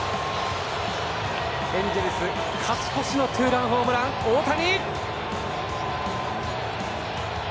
エンジェルス勝ち越しのツーランホームラン大谷！